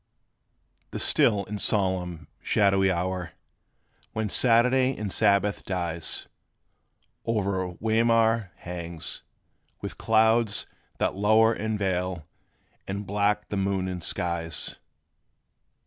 The still and solemn, shadowy hour, When Saturday in Sabbath dies, O'er Weimar hangs; with clouds that lower And veil in black the moon and skies.